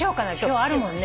今日あるもんね。